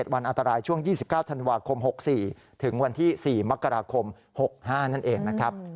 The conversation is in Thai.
วันอันตรายช่วง๒๙ธันวาคม๖๔ถึงวันที่๔มกราคม๖๕นั่นเองนะครับ